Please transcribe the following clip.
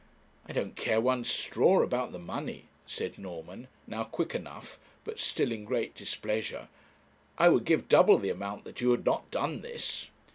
'I don't care one straw about the money,' said Norman, now quick enough, but still in great displeasure; 'I would give double the amount that you had not done this.'